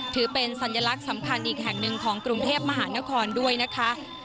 ถือเป็นสัญลักษณ์สำคัญอีกแห่งหนึ่งของกรุงเทพมหานครด้วยนะคะ